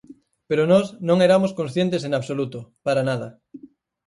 Pero nós non eramos conscientes en absoluto, para nada.